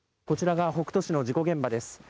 こちらが北斗市の事故現場です。